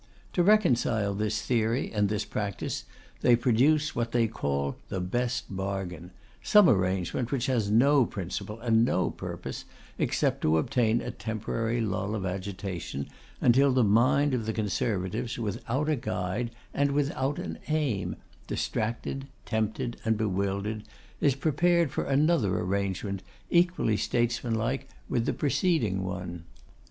To reconcile this theory and this practice, they produce what they call 'the best bargain;' some arrangement which has no principle and no purpose, except to obtain a temporary lull of agitation, until the mind of the Conservatives, without a guide and without an aim, distracted, tempted, and bewildered, is prepared for another arrangement, equally statesmanlike with the preceding one.